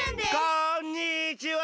こんにちは！